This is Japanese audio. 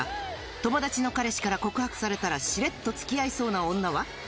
友達の彼氏から告白されたらしれっとつきあいそうな女は？